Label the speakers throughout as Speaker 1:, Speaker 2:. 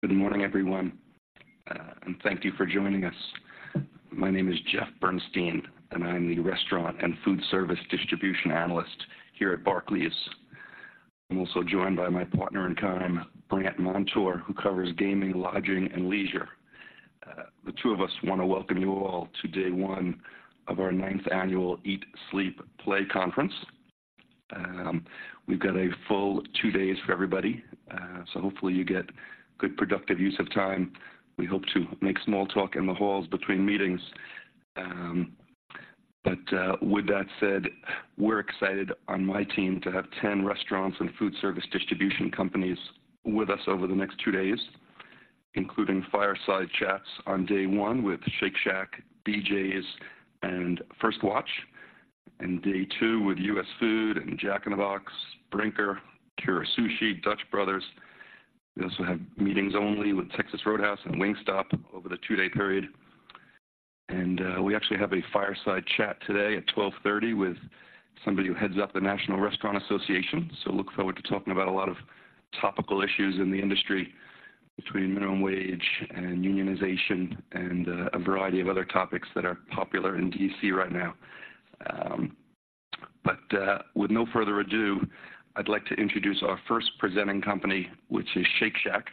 Speaker 1: Good morning, everyone, and thank you for joining us. My name is Jeff Bernstein, and I'm the Restaurant and Food Service Distribution Analyst here at Barclays. I'm also joined by my partner in crime, Brandt Montour, who covers gaming, lodging, and leisure. The two of us wanna welcome you all to day one of our ninth annual Eat, Sleep, Play Conference. We've got a full two days for everybody, so hopefully, you get good, productive use of time. We hope to make small talk in the halls between meetings. But with that said, we're excited on my team to have 10 restaurants and food service distribution companies with us over the next two days, including fireside chats on day one with Shake Shack, BJ's, and First Watch, and day two with US Foods, and Jack in the Box, Brinker, Kura Sushi, Dutch Bros. We also have meetings only with Texas Roadhouse and Wingstop over the two-day period. We actually have a fireside chat today at 12:30 P.M. with somebody who heads up the National Restaurant Association. Look forward to talking about a lot of topical issues in the industry, between minimum wage and unionization, and a variety of other topics that are popular in D.C. right now. With no further ado, I'd like to introduce our first presenting company, which is Shake Shack.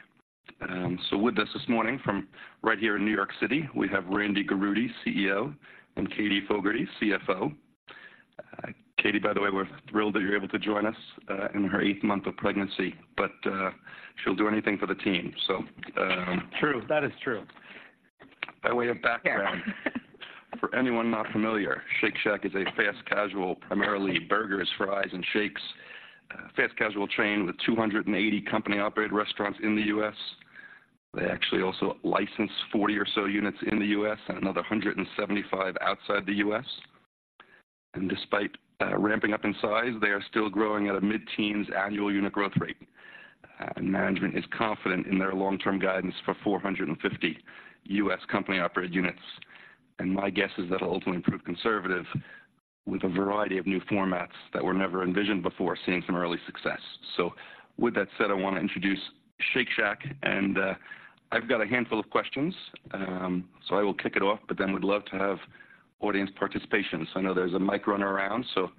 Speaker 1: With us this morning, from right here in New York City, we have Randy Garutti, CEO, and Katie Fogertey, CFO. Katie, by the way, we're thrilled that you're able to join us in her eighth month of pregnancy, but she'll do anything for the team.
Speaker 2: True. That is true.
Speaker 1: By way of background, for anyone not familiar, Shake Shack is a fast casual, primarily burgers, fries, and shakes. Fast casual chain with 280 company-operated restaurants in the U.S. They actually also license 40 or so units in the U.S. and another 175 outside the U.S. And despite ramping up in size, they are still growing at a mid-teens annual unit growth rate. And management is confident in their long-term guidance for 450 U.S. company-operated units. And my guess is that'll ultimately prove conservative, with a variety of new formats that were never envisioned before, seeing some early success. So with that said, I wanna introduce Shake Shack, and I've got a handful of questions. So I will kick it off, but then would love to have audience participation. So I know there's a mic running around, so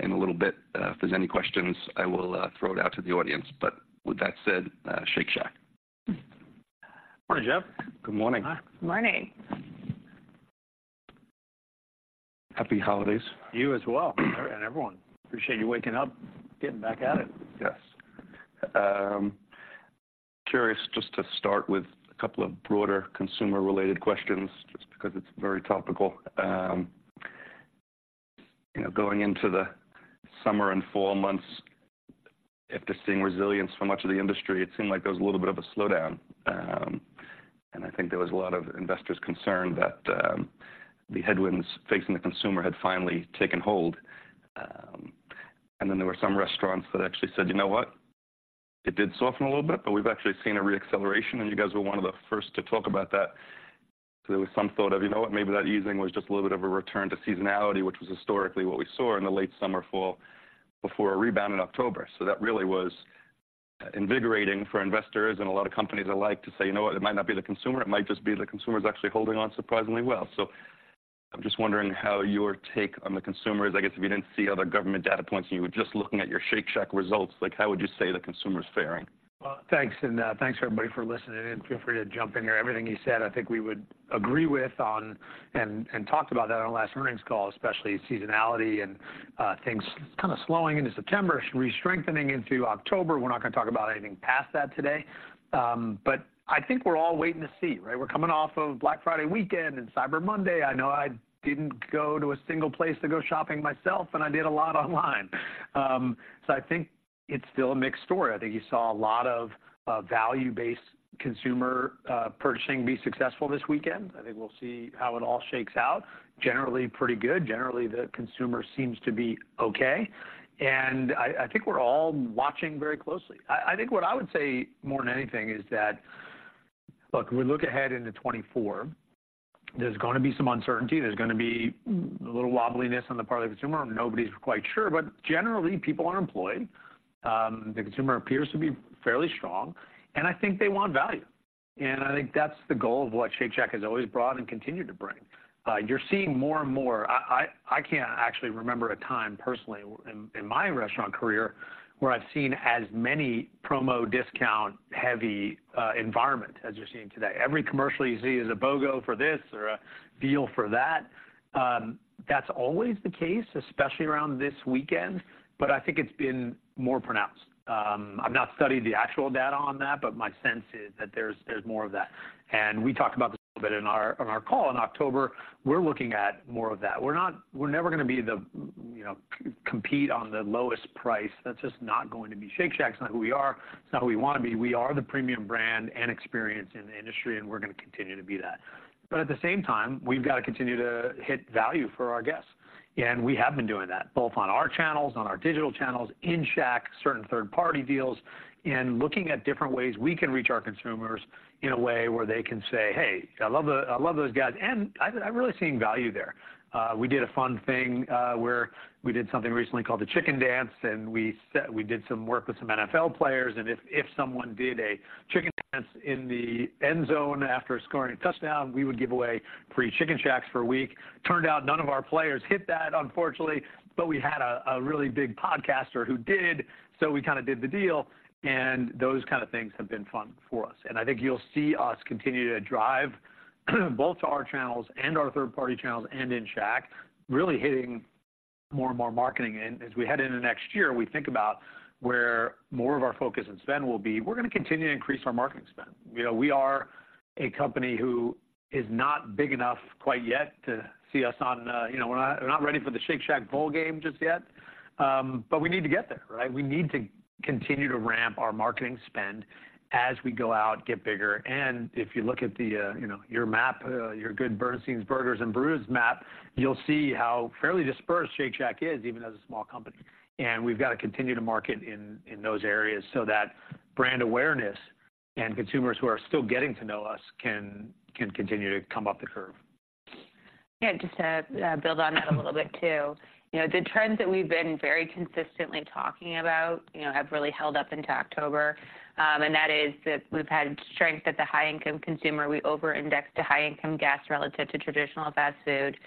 Speaker 1: in a little bit, if there's any questions, I will throw it out to the audience. But with that said, Shake Shack.
Speaker 2: Morning, Jeff.
Speaker 1: Good morning.
Speaker 2: Hi.
Speaker 3: Morning.
Speaker 1: Happy holidays.
Speaker 2: You as well, and everyone. Appreciate you waking up, getting back at it.
Speaker 1: Yes. Curious, just to start with a couple of broader consumer-related questions, just because it's very topical. You know, going into the summer and fall months, after seeing resilience from much of the industry, it seemed like there was a little bit of a slowdown. And I think there was a lot of investors concerned that the headwinds facing the consumer had finally taken hold. And then there were some restaurants that actually said, "You know what? It did soften a little bit, but we've actually seen a re-acceleration," and you guys were one of the first to talk about that. So there was some thought of, you know what, maybe that easing was just a little bit of a return to seasonality, which was historically what we saw in the late summer, fall, before a rebound in October. So that really was invigorating for investors and a lot of companies alike to say: You know what? It might not be the consumer, it might just be the consumer is actually holding on surprisingly well. So I'm just wondering how your take on the consumer is. I guess, if you didn't see other government data points and you were just looking at your Shake Shack results, like, how would you say the consumer is faring?
Speaker 2: Well, thanks, and, thanks, everybody, for listening in. Feel free to jump in here. Everything he said, I think we would agree with on, and, and talked about that on our last earnings call, especially seasonality and, things kind of slowing into September, re-strengthening into October. We're not gonna talk about anything past that today. But I think we're all waiting to see, right? We're coming off of Black Friday weekend and Cyber Monday. I know I didn't go to a single place to go shopping myself, and I did a lot online. So I think it's still a mixed story. I think you saw a lot of, value-based consumer, purchasing be successful this weekend. I think we'll see how it all shakes out. Generally pretty good. Generally, the consumer seems to be okay, and I, I think we're all watching very closely. I think what I would say more than anything is that: Look, we look ahead into 2024, there's gonna be some uncertainty, there's gonna be a little wobbliness on the part of the consumer. Nobody's quite sure, but generally, people are employed. The consumer appears to be fairly strong, and I think they want value. And I think that's the goal of what Shake Shack has always brought and continue to bring. You're seeing more and more... I can't actually remember a time, personally, in my restaurant career, where I've seen as many promo, discount-heavy environment as you're seeing today. Every commercial you see is a BOGO for this or a deal for that. That's always the case, especially around this weekend, but I think it's been more pronounced. I've not studied the actual data on that, but my sense is that there's more of that. We talked about this a little bit on our call in October. We're looking at more of that. We're never gonna be the, you know, compete on the lowest price. That's just not going to be Shake Shack. It's not who we are. It's not who we wanna be. We are the premium brand and experience in the industry, and we're gonna continue to be that. But at the same time, we've got to continue to hit value for our guests, and we have been doing that, both on our channels, on our digital channels, in Shack, certain third-party deals, and looking at different ways we can reach our consumers in a way where they can say, "Hey, I love those guys, and I'm really seeing value there." We did a fun thing where we did something recently called the Chicken Dance, and we did some work with some NFL players, and if someone did a Chicken Dance in the end zone after scoring a touchdown, we would give away free Chicken Shacks for a week. Turned out none of our players hit that, unfortunately, but we had a really big podcaster who did, so we kinda did the deal, and those kind of things have been fun for us. I think you'll see us continue to drive, both to our channels and our third-party channels and in Shack, really hitting more and more marketing in. As we head into next year, we think about where more of our focus and spend will be. We're gonna continue to increase our marketing spend. You know, we are a company who is not big enough quite yet to see us on, you know, we're not, we're not ready for the Shake Shack bowl game just yet, but we need to get there, right? We need to continue to ramp our marketing spend as we go out, get bigger, and if you look at the, you know, your map, your good Bernstein's Burgers and Brews map, you'll see how fairly dispersed Shake Shack is, even as a small company. We've got to continue to market in those areas so that brand awareness and consumers who are still getting to know us can continue to come up the curve.
Speaker 3: Yeah, just to build on that a little bit, too. You know, the trends that we've been very consistently talking about, you know, have really held up into October, and that is that we've had strength at the high-income consumer. We over-indexed to high-income guests relative to traditional fast food.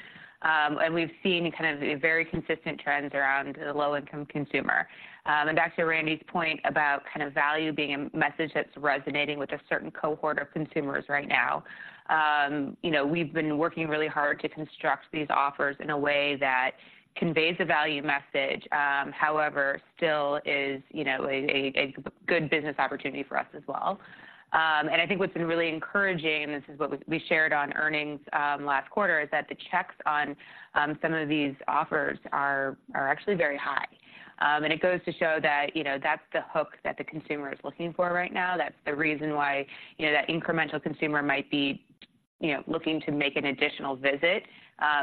Speaker 3: And we've seen kind of very consistent trends around the low-income consumer. And back to Randy's point about kind of value being a message that's resonating with a certain cohort of consumers right now, you know, we've been working really hard to construct these offers in a way that conveys a value message, however, still is, you know, a good business opportunity for us as well. And I think what's been really encouraging, and this is what we shared on earnings last quarter, is that the checks on some of these offers are actually very high. And it goes to show that, you know, that's the hook that the consumer is looking for right now. That's the reason why, you know, that incremental consumer might be, you know, looking to make an additional visit,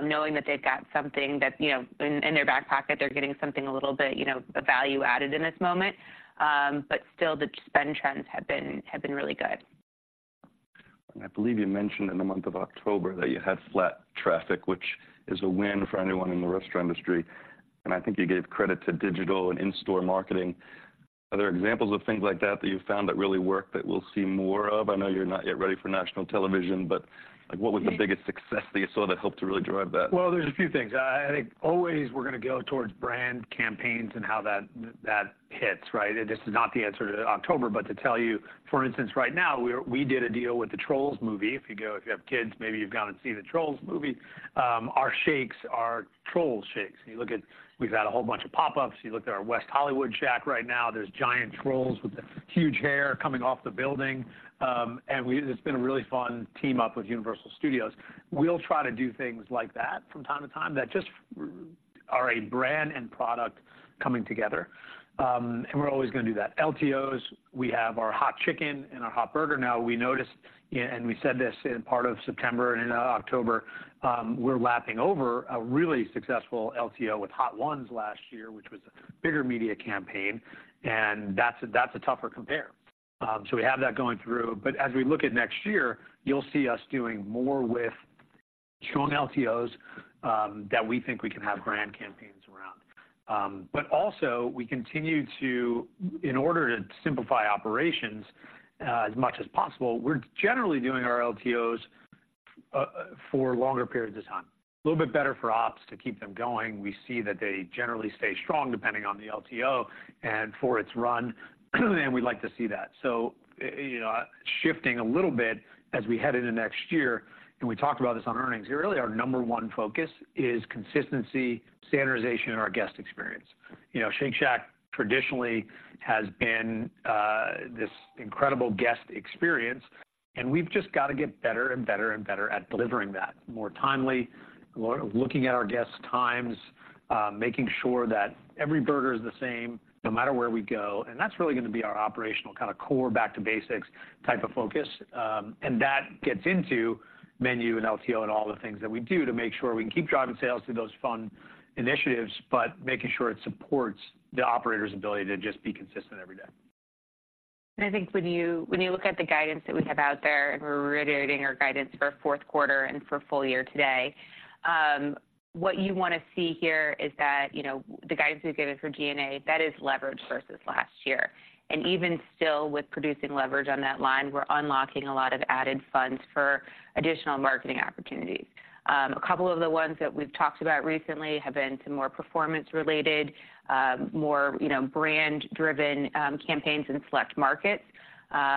Speaker 3: knowing that they've got something that, you know, in their back pocket, they're getting something a little bit, you know, a value added in this moment. But still, the spend trends have been really good.
Speaker 1: I believe you mentioned in the month of October that you had flat traffic, which is a win for anyone in the restaurant industry, and I think you gave credit to digital and in-store marketing. Are there examples of things like that that you've found that really work, that we'll see more of? I know you're not yet ready for national television, but, like, what was the biggest success that you saw that helped to really drive that?
Speaker 2: Well, there's a few things. I think always we're gonna go towards brand campaigns and how that hits, right? This is not the answer to October, but to tell you, for instance, right now, we did a deal with the Trolls movie. If you have kids, maybe you've gone and seen the Trolls movie. Our shakes are Trolls Shakes. You look at... We've had a whole bunch of pop-ups. You look at our West Hollywood Shack right now, there's giant Trolls with huge hair coming off the building. And it's been a really fun team-up with Universal Studios. We'll try to do things like that from time to time that just are a brand and product coming together. And we're always gonna do that. LTOs, we have our hot chicken and our hot burger now. We noticed, and we said this in part of September and into October, we're lapping over a really successful LTO with Hot Ones last year, which was a bigger media campaign, and that's a tougher compare. So we have that going through. But as we look at next year, you'll see us doing more with strong LTOs that we think we can have brand campaigns around. But also we continue to, in order to simplify operations, as much as possible, we're generally doing our LTOs for longer periods of time. A little bit better for ops to keep them going. We see that they generally stay strong, depending on the LTO, and for its run, and we'd like to see that. So, you know, shifting a little bit as we head into next year, and we talked about this on earnings. Really, our number one focus is consistency, standardization, and our guest experience. You know, Shake Shack traditionally has been this incredible guest experience, and we've just got to get better and better and better at delivering that: more timely, looking at our guests' times, making sure that every burger is the same, no matter where we go, and that's really gonna be our operational, kind of, core, back to basics type of focus. And that gets into menu and LTO and all the things that we do to make sure we can keep driving sales through those fun initiatives, but making sure it supports the operator's ability to just be consistent every day.
Speaker 3: I think when you look at the guidance that we have out there, and we're reiterating our guidance for fourth quarter and for full year today, what you want to see here is that, you know, the guidance we've given for G&A, that is leveraged versus last year. Even still, with producing leverage on that line, we're unlocking a lot of added funds for additional marketing opportunities. A couple of the ones that we've talked about recently have been some more performance-related, more, you know, brand-driven, campaigns in select markets,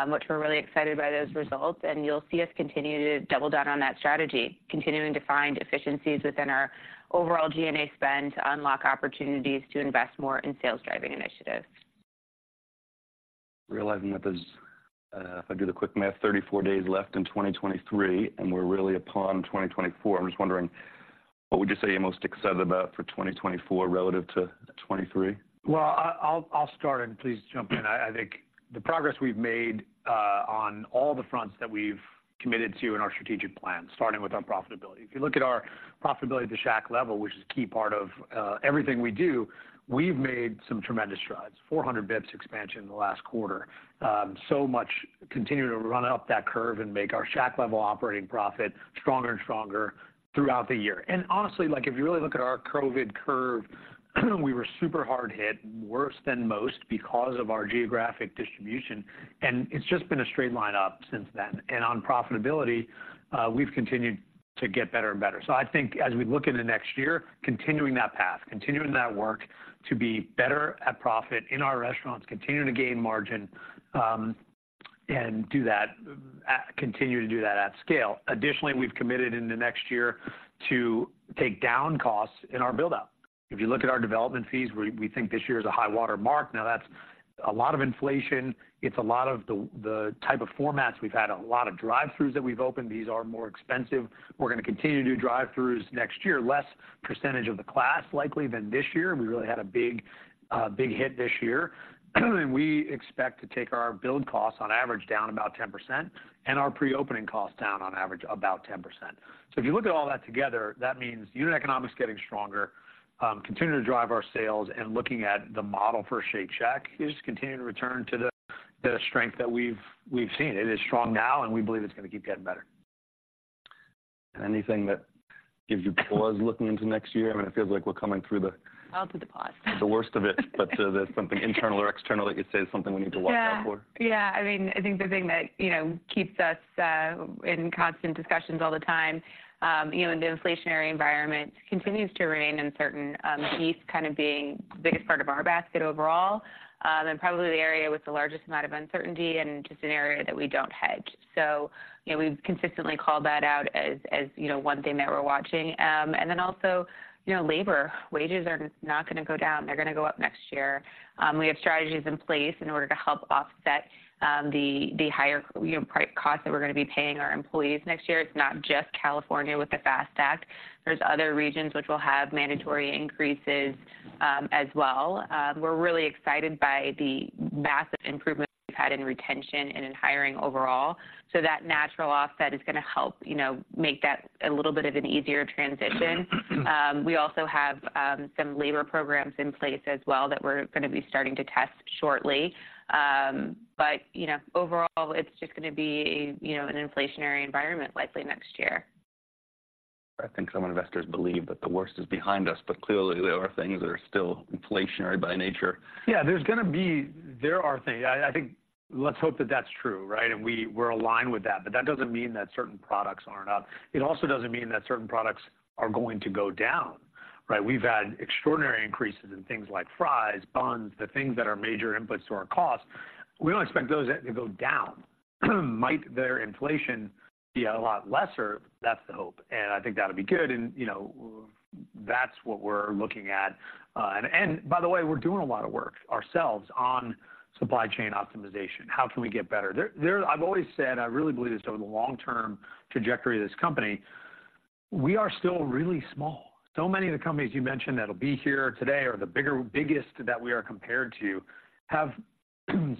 Speaker 3: which we're really excited by those results, and you'll see us continue to double down on that strategy, continuing to find efficiencies within our overall G&A spend to unlock opportunities to invest more in sales-driving initiatives.
Speaker 1: Realizing that there's, if I do the quick math, 34 days left in 2023, and we're really upon 2024, I'm just wondering, what would you say you're most excited about for 2024 relative to 2023?
Speaker 2: Well, I'll start, and please jump in. I think the progress we've made on all the fronts that we've committed to in our strategic plan, starting with our profitability. If you look at our profitability at the Shack-level, which is a key part of everything we do, we've made some tremendous strides, 400 bps expansion in the last quarter. So much continuing to run up that curve and make our Shack-level operating profit stronger and stronger throughout the year. And honestly, like, if you really look at our COVID curve, we were super hard hit, worse than most because of our geographic distribution, and it's just been a straight line up since then. And on profitability, we've continued to get better and better. So I think as we look into next year, continuing that path, continuing that work to be better at profit in our restaurants, continuing to gain margin, and do that at, continue to do that at scale. Additionally, we've committed in the next year to take down costs in our build-out. If you look at our development fees, we think this year is a high-water mark. Now, that's a lot of inflation, it's a lot of the type of formats. We've had a lot of drive-throughs that we've opened. These are more expensive. We're gonna continue to do drive-throughs next year, less percentage of the class, likely, than this year. We really had a big, big hit this year. And we expect to take our build costs, on average, down about 10%, and our pre-opening costs down, on average, about 10%. So if you look at all that together, that means unit economics getting stronger, continuing to drive our sales, and looking at the model for Shake Shack is continuing to return to the strength that we've seen. It is strong now, and we believe it's gonna keep getting better.
Speaker 1: Anything that gives you pause looking into next year? I mean, it feels like we're coming through the-
Speaker 3: I'll do the pause.
Speaker 1: the worst of it, but, there's something internal or external that you'd say is something we need to watch out for?
Speaker 3: Yeah, yeah. I mean, I think the thing that, you know, keeps us in constant discussions all the time, you know, in the inflationary environment, continues to remain uncertain, meat kind of being the biggest part of our basket overall, and probably the area with the largest amount of uncertainty and just an area that we don't hedge. So, you know, we've consistently called that out as, as, you know, one thing that we're watching. And then also, you know, labor. Wages are not gonna go down. They're gonna go up next year. We have strategies in place in order to help offset the higher, you know, wage costs that we're gonna be paying our employees next year. It's not just California with the FAST Act. There's other regions which will have mandatory increases, as well. We're really excited by the massive improvements we've had in retention and in hiring overall. So that natural offset is gonna help, you know, make that a little bit of an easier transition. We also have some labor programs in place as well that we're gonna be starting to test shortly. But, you know, overall, it's just gonna be, you know, an inflationary environment likely next year.
Speaker 1: I think some investors believe that the worst is behind us, but clearly, there are things that are still inflationary by nature.
Speaker 2: Yeah, there are things... I think, let's hope that that's true, right? And we're aligned with that, but that doesn't mean that certain products aren't up. It also doesn't mean that certain products are going to go down, right? We've had extraordinary increases in things like fries, buns, the things that are major inputs to our cost. We don't expect those to go down. Might their inflation be a lot lesser? That's the hope, and I think that'll be good, and, you know, that's what we're looking at. And by the way, we're doing a lot of work ourselves on supply chain optimization. How can we get better? I've always said, I really believe this, over the long-term trajectory of this company, we are still really small. So many of the companies you mentioned that'll be here today are the biggest that we are compared to, have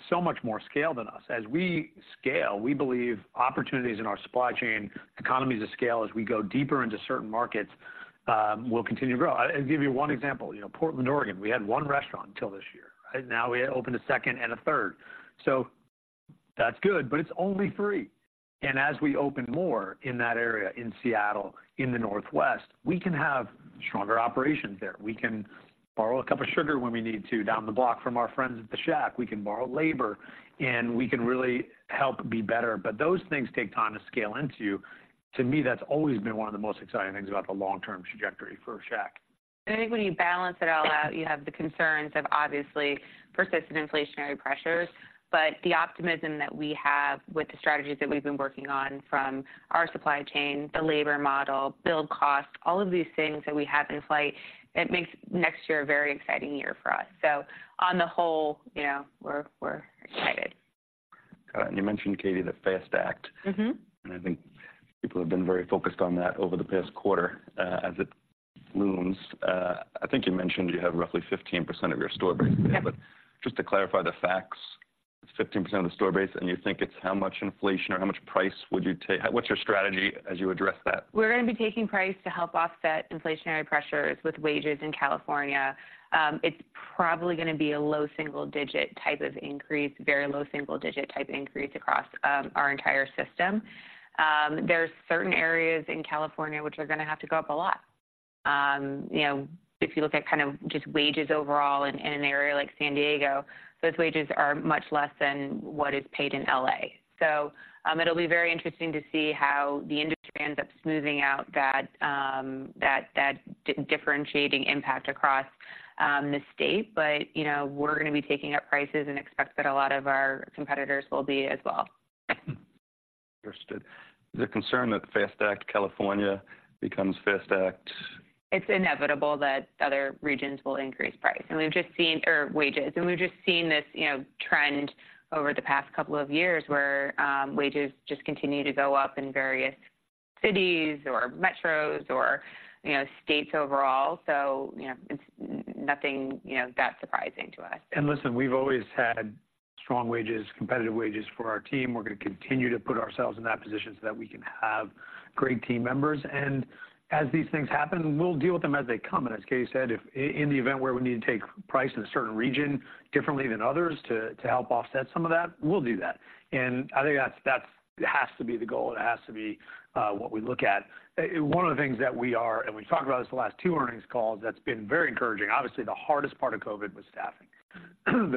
Speaker 2: so much more scale than us. As we scale, we believe opportunities in our supply chain, economies of scale, as we go deeper into certain markets, will continue to grow. I'll give you one example. You know, Portland, Oregon, we had one restaurant until this year, right? Now, we opened a second and a third. So that's good, but it's only three. And as we open more in that area, in Seattle, in the Northwest, we can have stronger operations there. We can borrow a cup of sugar when we need to, down the block from our friends at the Shack. We can borrow labor, and we can really help be better. But those things take time to scale into. To me, that's always been one of the most exciting things about the long-term trajectory for Shack.
Speaker 3: I think when you balance it all out, you have the concerns of, obviously, persistent inflationary pressures. The optimism that we have with the strategies that we've been working on, from our supply chain, the labor model, build costs, all of these things that we have in flight, it makes next year a very exciting year for us. On the whole, you know, we're, we're excited.
Speaker 1: Got it. You mentioned, Katie, the FAST Act.
Speaker 3: Mm-hmm.
Speaker 1: I think people have been very focused on that over the past quarter, as it looms. I think you mentioned you have roughly 15% of your store base there.
Speaker 3: Yeah.
Speaker 1: Just to clarify the facts, 15% of the store base, and you think it's how much inflation or how much price would you take? What's your strategy as you address that?
Speaker 3: We're gonna be taking price to help offset inflationary pressures with wages in California. It's probably gonna be a low single digit type of increase, very low single digit type increase across our entire system. There are certain areas in California, which are gonna have to go up a lot. You know, if you look at kind of just wages overall in an area like San Diego, those wages are much less than what is paid in L.A. So, it'll be very interesting to see how the industry ends up smoothing out that differentiating impact across the state. But, you know, we're gonna be taking up prices and expect that a lot of our competitors will be as well.
Speaker 1: Understood. The concern that the FAST Act, California, becomes FAST Act...
Speaker 3: It's inevitable that other regions will increase price or wages, and we've just seen this, you know, trend over the past couple of years, where wages just continue to go up in various cities or metros or, you know, states overall. So, you know, it's nothing, you know, that surprising to us.
Speaker 2: And listen, we've always had strong wages, competitive wages for our team. We're gonna continue to put ourselves in that position so that we can have great team members. And as these things happen, we'll deal with them as they come. And as Katie said, if in the event where we need to take price in a certain region differently than others to help offset some of that, we'll do that. And I think that has to be the goal. It has to be what we look at. One of the things that we are, and we've talked about this the last two earnings calls, that's been very encouraging, obviously, the hardest part of COVID was staffing.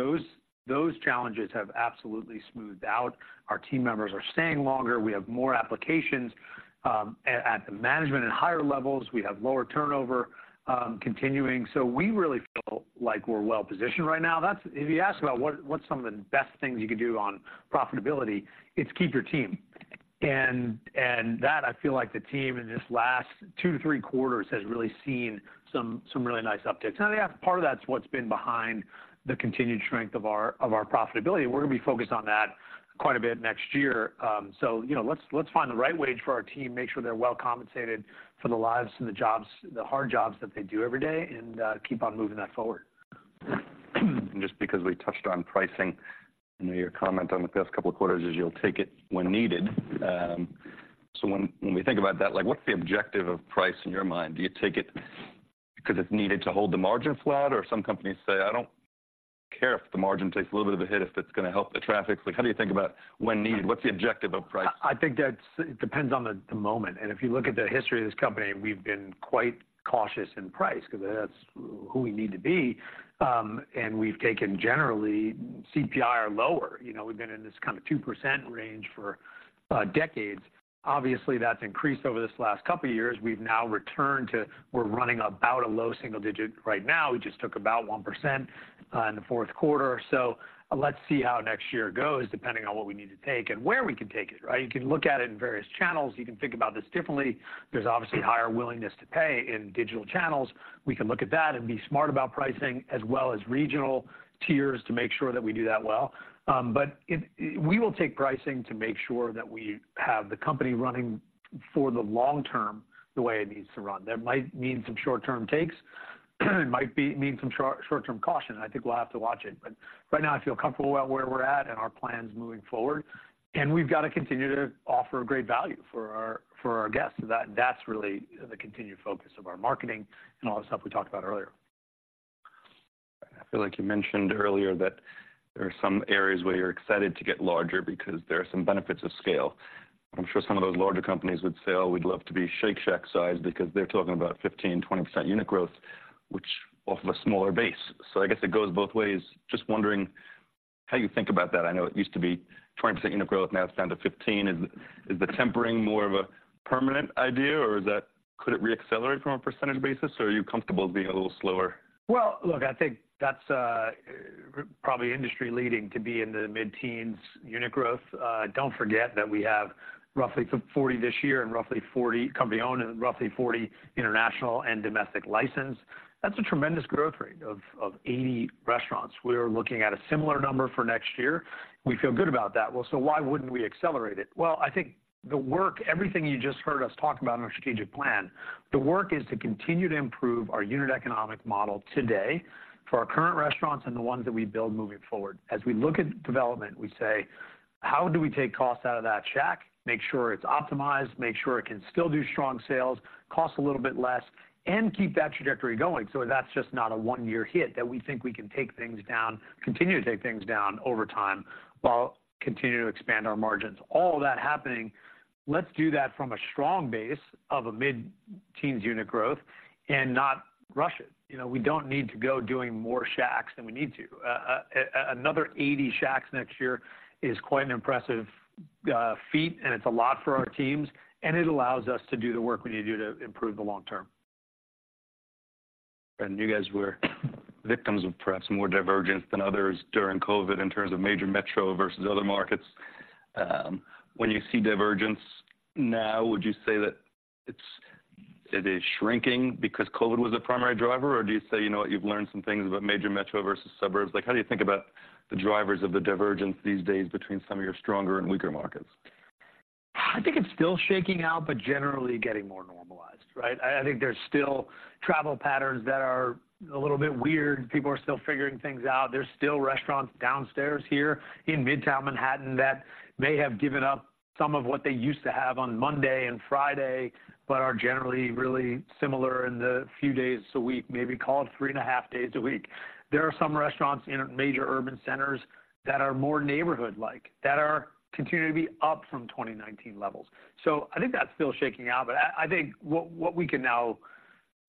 Speaker 2: Those challenges have absolutely smoothed out. Our team members are staying longer. We have more applications. At the management and higher levels, we have lower turnover, continuing. So we really feel like we're well-positioned right now. That's. If you ask about what, what's some of the best things you can do on profitability, it's keep your team. And that I feel like the team in this last two to three quarters has really seen some really nice upticks. And I think part of that's what's been behind the continued strength of our profitability. We're gonna be focused on that quite a bit next year. So, you know, let's find the right wage for our team, make sure they're well compensated for the lives and the jobs, the hard jobs that they do every day, and keep on moving that forward.
Speaker 1: Just because we touched on pricing, I know your comment on the past couple of quarters is you'll take it when needed. So when we think about that, like, what's the objective of price in your mind? Do you take it because it's needed to hold the margin flat? Or some companies say, "I don't care if the margin takes a little bit of a hit, if it's gonna help the traffic." Like, how do you think about when needed? What's the objective of price?
Speaker 2: I think that's it depends on the moment, and if you look at the history of this company, we've been quite cautious in price 'cause that's who we need to be. And we've taken generally, CPI are lower. You know, we've been in this kind of 2% range for decades. Obviously, that's increased over this last couple of years. We've now returned to... We're running about a low single digit right now. We just took about 1% in the fourth quarter, so let's see how next year goes, depending on what we need to take and where we can take it, right? You can look at it in various channels. You can think about this differently. There's obviously higher willingness to pay in digital channels. We can look at that and be smart about pricing as well as regional tiers to make sure that we do that well. But we will take pricing to make sure that we have the company running for the long term the way it needs to run. That might mean some short-term takes, it might mean some short-term caution, and I think we'll have to watch it. But right now I feel comfortable about where we're at and our plans moving forward, and we've got to continue to offer great value for our guests. So that's really the continued focus of our marketing and all the stuff we talked about earlier.
Speaker 1: I feel like you mentioned earlier that there are some areas where you're excited to get larger because there are some benefits of scale. I'm sure some of those larger companies would say, "Oh, we'd love to be Shake Shack sized," because they're talking about 15%-20% unit growth, which off of a smaller base. So I guess it goes both ways. Just wondering how you think about that. I know it used to be 20% unit growth, now it's down to 15%. Is the tempering more of a permanent idea, or is that - could it re-accelerate from a percentage basis, or are you comfortable being a little slower?
Speaker 2: Well, look, I think that's probably industry leading to be in the mid-teens unit growth. Don't forget that we have roughly 40 this year and roughly 40 company-owned and roughly 40 international and domestic license. That's a tremendous growth rate of 80 restaurants. We're looking at a similar number for next year. We feel good about that. Well, so why wouldn't we accelerate it? Well, I think the work, everything you just heard us talk about in our strategic plan, the work is to continue to improve our unit economic model today for our current restaurants and the ones that we build moving forward. As we look at development, we say: How do we take costs out of that Shack, make sure it's optimized, make sure it can still do strong sales, cost a little bit less, and keep that trajectory going so that's just not a one-year hit, that we think we can take things down, continue to take things down over time, while continue to expand our margins? All of that happening, let's do that from a strong base of a mid-teens unit growth and not rush it. You know, we don't need to go doing more Shacks than we need to. Another 80 Shacks next year is quite an impressive feat, and it's a lot for our teams, and it allows us to do the work we need to do to improve the long term.
Speaker 1: You guys were victims of perhaps more divergence than others during COVID in terms of major metro versus other markets. When you see divergence now, would you say that it's, it is shrinking because COVID was the primary driver, or do you say, you know what? You've learned some things about major metro versus suburbs. Like, how do you think about the drivers of the divergence these days between some of your stronger and weaker markets?
Speaker 2: I think it's still shaking out, but generally getting more normalized, right? I, I think there's still travel patterns that are a little bit weird. People are still figuring things out. There's still restaurants downstairs here in Midtown Manhattan that may have given up some of what they used to have on Monday and Friday, but are generally really similar in the few days a week, maybe call it three and a half days a week. There are some restaurants in major urban centers that are more neighborhood-like, that are continuing to be up from 2019 levels. So I think that's still shaking out, but I, I think what, what we can now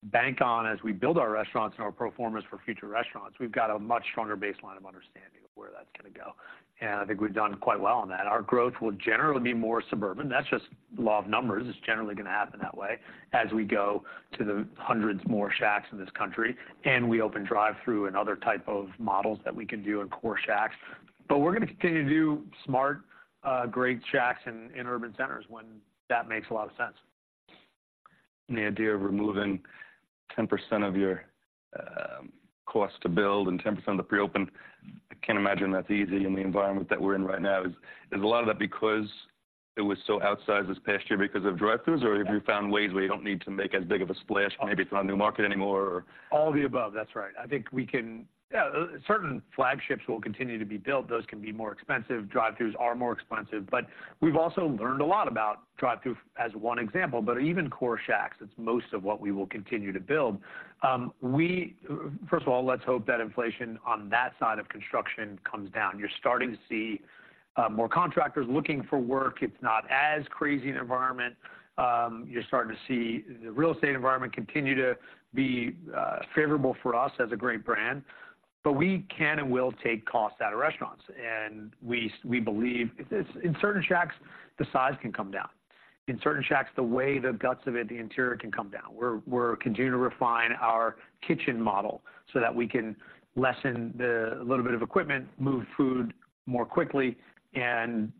Speaker 2: bank on as we build our restaurants and our pro formas for future restaurants, we've got a much stronger baseline of understanding of where that's gonna go, and I think we've done quite well on that. Our growth will generally be more suburban. That's just law of numbers. It's generally gonna happen that way as we go to the hundreds more Shacks in this country, and we open drive-through and other type of models that we can do in core Shacks. But we're gonna continue to do smart, great Shacks in urban centers when that makes a lot of sense.
Speaker 1: The idea of removing 10% of your cost to build and 10% of the pre-open, I can't imagine that's easy in the environment that we're in right now. Is a lot of that because it was so outsized this past year because of drive-throughs, or have you found ways where you don't need to make as big of a splash, maybe it's not a new market anymore?
Speaker 2: All the above. That's right. I think we can... certain flagships will continue to be built. Those can be more expensive. Drive-throughs are more expensive, but we've also learned a lot about drive-through as one example, but even core Shacks, it's most of what we will continue to build. First of all, let's hope that inflation on that side of construction comes down. You're starting to see, more contractors looking for work. It's not as crazy an environment. You're starting to see the real estate environment continue to be, favorable for us as a great brand, but we can and will take costs out of restaurants, and we believe... It's, in certain Shacks, the size can come down.... in certain Shacks, the way the guts of it, the interior can come down. We're continuing to refine our kitchen model so that we can lessen the little bit of equipment, move food more quickly, and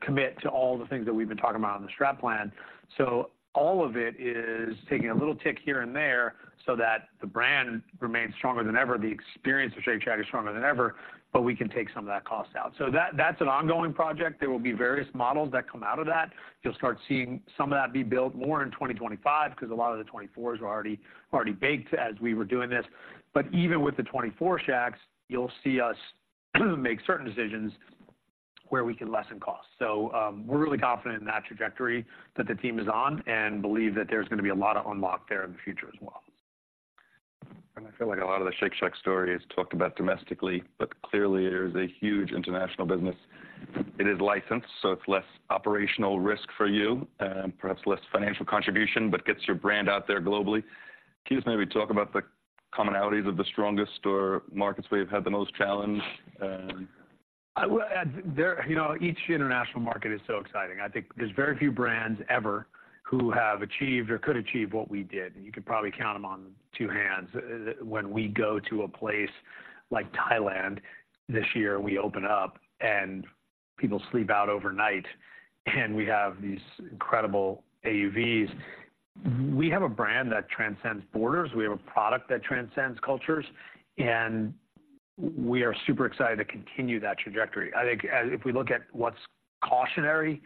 Speaker 2: commit to all the things that we've been talking about on the strap plan. So all of it is taking a little tick here and there so that the brand remains stronger than ever. The experience of Shake Shack is stronger than ever, but we can take some of that cost out. So that's an ongoing project. There will be various models that come out of that. You'll start seeing some of that be built more in 2025, 'cause a lot of the 2024s are already baked as we were doing this. But even with the 2024 Shacks, you'll see us make certain decisions where we can lessen costs. So, we're really confident in that trajectory that the team is on, and believe that there's gonna be a lot of unlock there in the future as well.
Speaker 1: I feel like a lot of the Shake Shack story is talked about domestically, but clearly, there's a huge international business. It is licensed, so it's less operational risk for you and perhaps less financial contribution, but gets your brand out there globally. Can you just maybe talk about the commonalities of the strongest or markets where you've had the most challenge and?
Speaker 2: You know, each international market is so exciting. I think there's very few brands ever who have achieved or could achieve what we did. You could probably count them on two hands. When we go to a place like Thailand this year, we open up and people sleep out overnight, and we have these incredible AUVs. We have a brand that transcends borders. We have a product that transcends cultures, and we are super excited to continue that trajectory. I think if we look at what's cautionary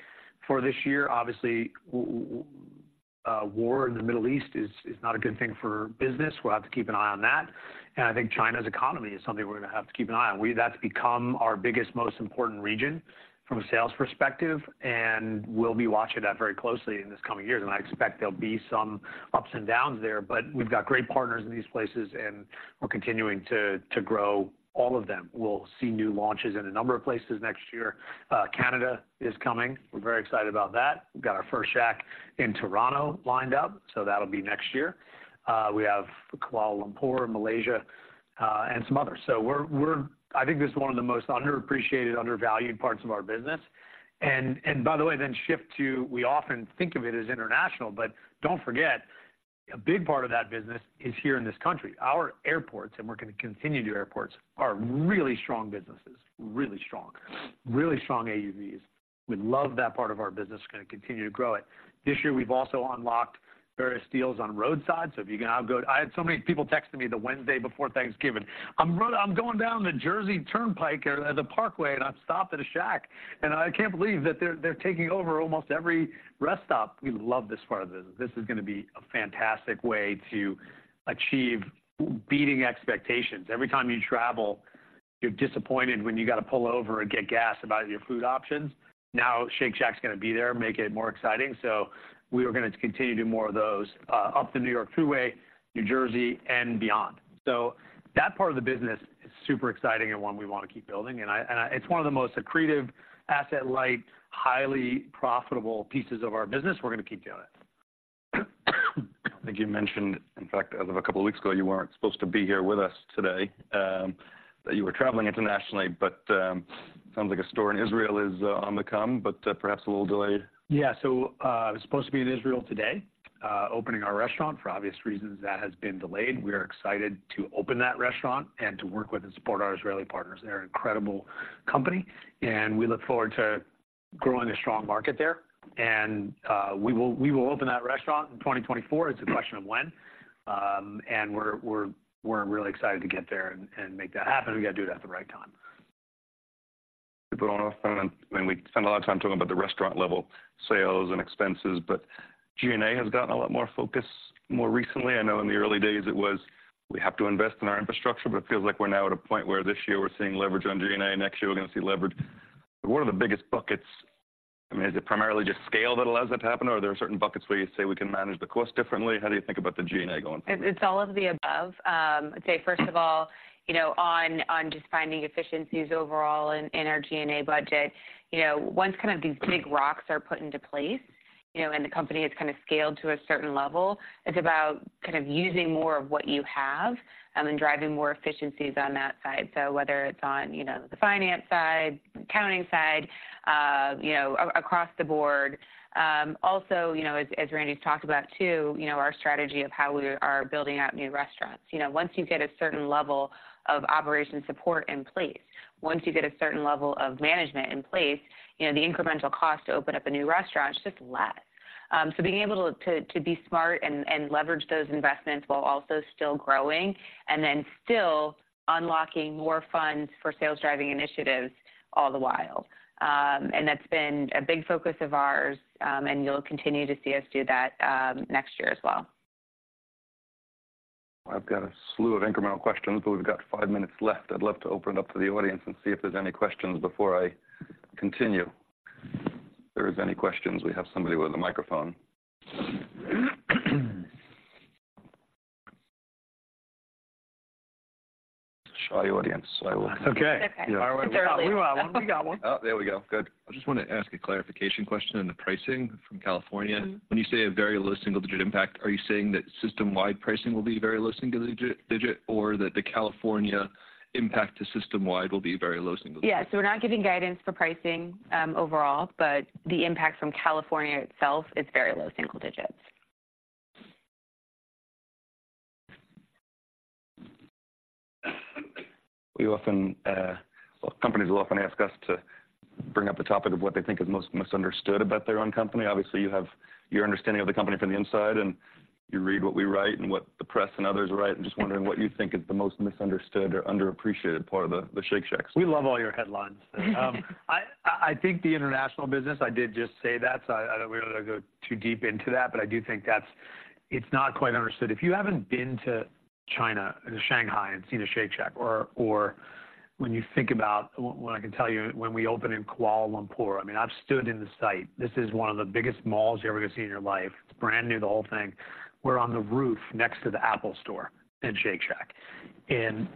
Speaker 2: for this year, obviously, war in the Middle East is not a good thing for business. We'll have to keep an eye on that, and I think China's economy is something we're gonna have to keep an eye on. That's become our biggest, most important region from a sales perspective, and we'll be watching that very closely in this coming years. And I expect there'll be some ups and downs there, but we've got great partners in these places, and we're continuing to grow all of them. We'll see new launches in a number of places next year. Canada is coming. We're very excited about that. We've got our first Shack in Toronto lined up, so that'll be next year. We have Kuala Lumpur, Malaysia, and some others. So we're—I think this is one of the most underappreciated, undervalued parts of our business. And by the way, then shift to we often think of it as international, but don't forget, a big part of that business is here in this country. Our airports, and we're gonna continue to do airports, are really strong businesses, really strong. Really strong AUVs. We love that part of our business, gonna continue to grow it. This year, we've also unlocked various deals on roadside, so if you can now go, I had so many people texting me the Wednesday before Thanksgiving: "I'm going down the Jersey Turnpike or The Parkway, and I've stopped at a Shack, and I can't believe that they're taking over almost every rest stop." We love this part of the business. This is gonna be a fantastic way to achieve beating expectations. Every time you travel, you're disappointed when you got to pull over and get gas about your food options. Now, Shake Shack's gonna be there, make it more exciting. So we are gonna continue to do more of those up the New York Thruway, New Jersey, and beyond. So that part of the business is super exciting and one we wanna keep building, and it's one of the most accretive, asset-light, highly profitable pieces of our business. We're gonna keep doing it.
Speaker 1: I think you mentioned, in fact, as of a couple of weeks ago, you weren't supposed to be here with us today, that you were traveling internationally, but sounds like a store in Israel is on the come, but perhaps a little delayed.
Speaker 2: Yeah. So, I was supposed to be in Israel today, opening our restaurant. For obvious reasons, that has been delayed. We are excited to open that restaurant and to work with and support our Israeli partners. They're an incredible company, and we look forward to growing a strong market there. And, we will open that restaurant in 2024. It's a question of when. And we're really excited to get there and make that happen. We got to do it at the right time.
Speaker 1: To put it off, and then we spend a lot of time talking about the restaurant level, sales and expenses, but G&A has gotten a lot more focus more recently. I know in the early days it was: We have to invest in our infrastructure, but it feels like we're now at a point where this year we're seeing leverage on G&A, next year, we're gonna see leverage. What are the biggest buckets? I mean, is it primarily just scale that allows that to happen, or are there certain buckets where you say we can manage the cost differently? How do you think about the G&A going forward?
Speaker 3: It's all of the above. I'd say, first of all, you know, on just finding efficiencies overall in our G&A budget, you know, once kind of these big rocks are put into place, you know, and the company is kind of scaled to a certain level, it's about kind of using more of what you have, and driving more efficiencies on that side. So whether it's on, you know, the finance side, accounting side, you know, across the board. Also, you know, as Randy's talked about too, you know, our strategy of how we are building out new restaurants. You know, once you get a certain level of operation support in place, once you get a certain level of management in place, you know, the incremental cost to open up a new restaurant is just less. So being able to be smart and leverage those investments while also still growing, and then still unlocking more funds for sales-driving initiatives all the while. And that's been a big focus of ours, and you'll continue to see us do that next year as well.
Speaker 1: I've got a slew of incremental questions, but we've got five minutes left. I'd love to open it up to the audience and see if there's any questions before I continue. If there is any questions, we have somebody with a microphone. Shaky audience, so I will-
Speaker 2: Okay.
Speaker 3: Okay.
Speaker 2: All right.
Speaker 3: Fairly.
Speaker 2: We got one. We got one.
Speaker 1: Oh, there we go. Good.
Speaker 4: I just want to ask a clarification question on the pricing from California.
Speaker 3: Mm-hmm.
Speaker 4: When you say a very low single-digit impact, are you saying that system-wide pricing will be very low single digit, or that the California impact to system-wide will be very low single digit?
Speaker 3: Yeah, so we're not giving guidance for pricing, overall, but the impact from California itself is very low single digits....
Speaker 1: We often, well, companies will often ask us to bring up the topic of what they think is most misunderstood about their own company. Obviously, you have your understanding of the company from the inside, and you read what we write and what the press and others write. I'm just wondering what you think is the most misunderstood or underappreciated part of the Shake Shack.
Speaker 2: We love all your headlines. I think the international business, I did just say that, so I don't want to go too deep into that, but I do think that's. It's not quite understood. If you haven't been to China, to Shanghai, and seen a Shake Shack or, or when you think about... What I can tell you, when we open in Kuala Lumpur, I mean, I've stood in the site. This is one of the biggest malls you're ever going to see in your life. It's brand new, the whole thing. We're on the roof next to the Apple Store in Shake Shack. And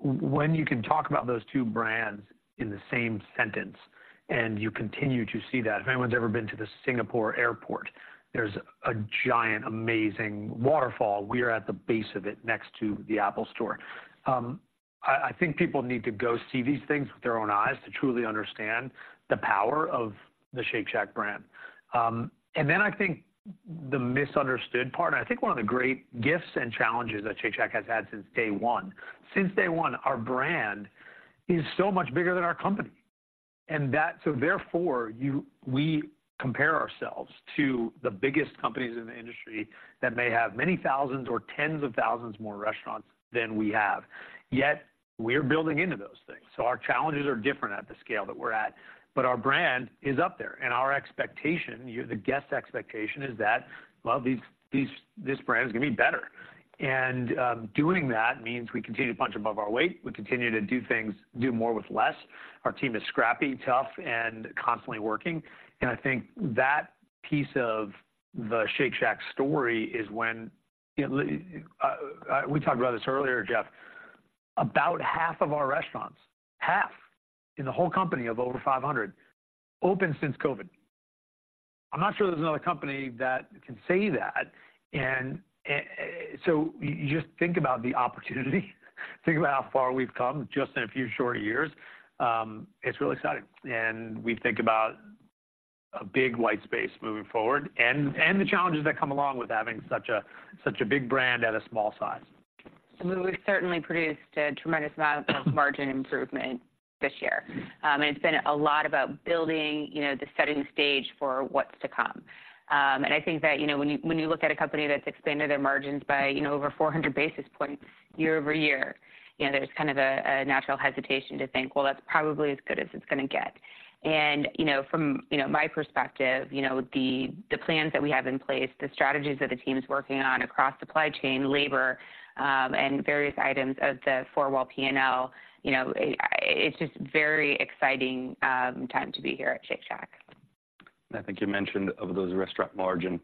Speaker 2: when you can talk about those two brands in the same sentence, and you continue to see that. If anyone's ever been to the Singapore airport, there's a giant, amazing waterfall. We are at the base of it, next to the Apple Store. I think people need to go see these things with their own eyes to truly understand the power of the Shake Shack brand. And then I think the misunderstood part, I think one of the great gifts and challenges that Shake Shack has had since day one, since day one, our brand is so much bigger than our company. And that, so therefore, we compare ourselves to the biggest companies in the industry that may have many thousands or tens of thousands more restaurants than we have. Yet, we're building into those things. So our challenges are different at the scale that we're at, but our brand is up there. And our expectation, you know, the guest expectation is that, well, this brand is gonna be better. And, doing that means we continue to punch above our weight. We continue to do things, do more with less. Our team is scrappy, tough, and constantly working. And I think that piece of the Shake Shack story is when we talked about this earlier, Jeff. About half of our restaurants, half in the whole company of over 500, opened since COVID. I'm not sure there's another company that can say that, and so you just think about the opportunity, think about how far we've come just in a few short years. It's really exciting. And we think about a big white space moving forward and the challenges that come along with having such a such a big brand at a small size.
Speaker 3: So we've certainly produced a tremendous amount of margin improvement this year. And it's been a lot about building, you know, just setting the stage for what's to come. And I think that, you know, when you, when you look at a company that's expanded their margins by, you know, over 400 basis points year-over-year, you know, there's kind of a natural hesitation to think, well, that's probably as good as it's gonna get. And, you know, from, you know, my perspective, you know, the plans that we have in place, the strategies that the team is working on across supply chain, labor, and various items of the four-wall P&L, you know, it's just very exciting, time to be here at Shake Shack.
Speaker 1: I think you mentioned, of those restaurant margin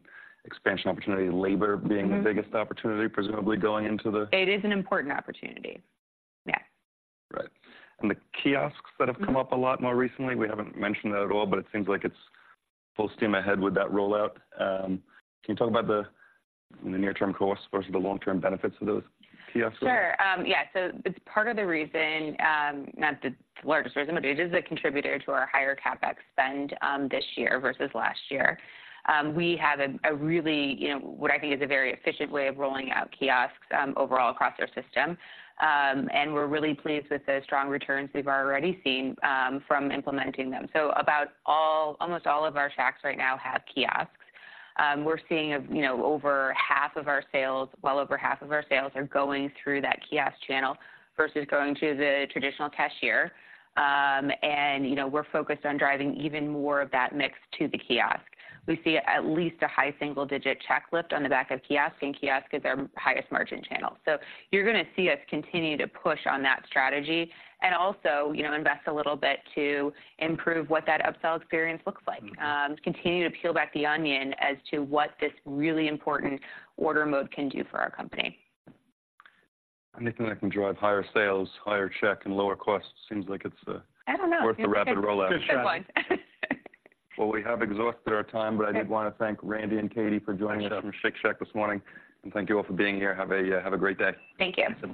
Speaker 1: expansion opportunity, labor-
Speaker 3: Mm-hmm.
Speaker 1: being the biggest opportunity, presumably going into the
Speaker 3: It is an important opportunity. Yeah.
Speaker 1: Right. And the kiosks that have come up a lot more recently, we haven't mentioned that at all, but it seems like it's full steam ahead with that rollout. Can you talk about the near-term costs versus the long-term benefits of those kiosks?
Speaker 3: Sure. Yeah, so it's part of the reason, not the largest reason, but it is a contributor to our higher CapEx spend this year versus last year. We have a really, you know, what I think is a very efficient way of rolling out kiosks overall across our system. And we're really pleased with the strong returns we've already seen from implementing them. So almost all of our Shacks right now have kiosks. We're seeing, you know, over half of our sales, well over half of our sales are going through that kiosk channel versus going to the traditional cashier. And, you know, we're focused on driving even more of that mix to the kiosk. We see at least a high single-digit check lift on the back of kiosk, and kiosk is our highest margin channel. You're gonna see us continue to push on that strategy and also, you know, invest a little bit to improve what that upsell experience looks like.
Speaker 1: Mm-hmm.
Speaker 3: Continue to peel back the onion as to what this really important order mode can do for our company.
Speaker 1: Anything that can drive higher sales, higher check, and lower costs seems like it's
Speaker 3: I don't know.
Speaker 1: worth the rapid rollout.
Speaker 3: Good one.
Speaker 1: Well, we have exhausted our time-
Speaker 3: Okay.
Speaker 1: But I did want to thank Randy and Katie for joining us.
Speaker 2: Thanks, Jeff.
Speaker 1: From Shake Shack this morning, and thank you all for being here. Have a great day.
Speaker 3: Thank you.